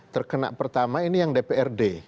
terkena pertama ini yang dprd